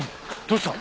どうした？